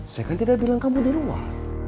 saya kan tidak bilang kamu di rumah